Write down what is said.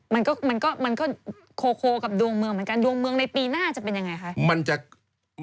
มันก็มันก็โคโคกับดวงเมืองเหมือนกันดวงเมืองในปีหน้าจะเป็นยังไงคะ